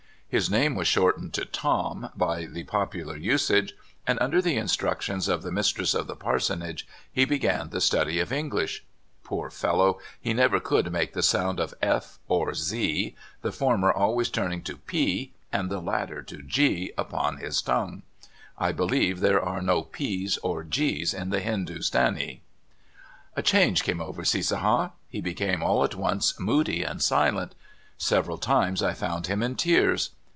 His name was shortened to *' Tom " by the popular usage, and under the in structions of the mistress of the parsonage he be gan the study of English. Poor fellow! he never could make the sound of f or z, the former ahvays turning to p^ and the latter to g^ upon his tongue. I believe there are no p's or g's in the Hindoo stanee. A change came over Cissaha. He became all at once moody and silent. Several times I found him in tears.